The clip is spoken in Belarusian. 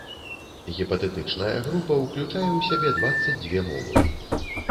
Гіпатэтычная група ўключае ў сябе дваццаць дзве мовы.